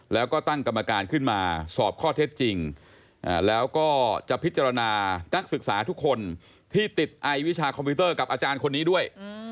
แล้วก็ตั้งกรรมการขึ้นมาสอบข้อเท็จจริงแล้วก็จะพิจารณานักศึกษาทุกคนที่ติดไอวิชาคอมพิวเตอร์กับอาจารย์คนนี้ด้วย